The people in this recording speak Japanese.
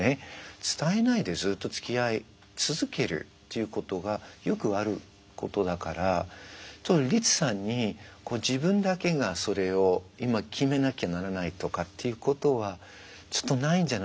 伝えないでずっとつきあい続けるっていうことがよくあることだからリツさんに自分だけがそれを今決めなきゃならないとかっていうことはちょっとないんじゃないかな。